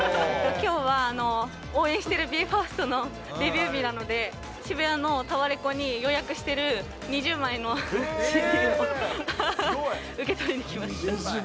きょうは応援しているＢＥＦＩＲＳＴのデビュー日なので、渋谷のタワレコに予約してる２０枚のＣＤを受け取りに来ました。